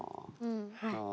はい。